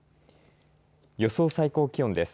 予想最低気温です。